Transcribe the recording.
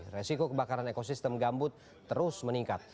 resiko kebakaran ekosistem gambut terus meningkat